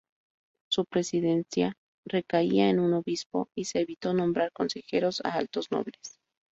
Su presidencia recaía en un obispo, y se evitó nombrar consejeros a altos nobles.